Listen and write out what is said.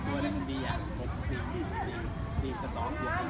กราบอยากได้เลขตัวใหม่